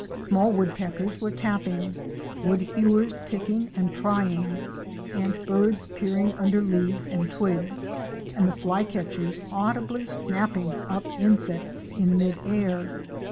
Small Woodpeckers were tapping, Woodhewers picking and pry ing, Antbirds peering under leaves and twigs, and the Fly catchers audibly snapping up insects in mid air.